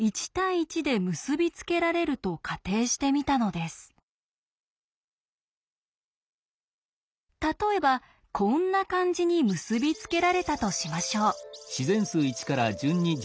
まずカントールは例えばこんな感じに結び付けられたとしましょう。